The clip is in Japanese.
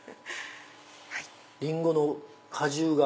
リンゴの果汁が。